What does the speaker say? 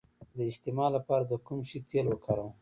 د استما لپاره د کوم شي تېل وکاروم؟